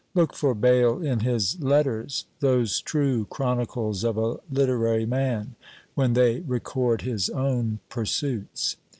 Look for Bayle in his "Letters," those true chronicles of a literary man, when they record his own pursuits.